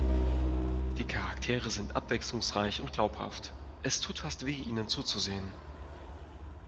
Die Charaktere sind abwechslungsreich und glaubhaft. Es tut fast weh, ihnen zuzusehen.